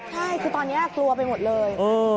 ใช่คือตอนนี้กลัวไปหมดเลย